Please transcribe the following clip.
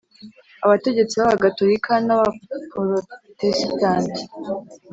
Abategetsi b abagatolika n abaporotesitanti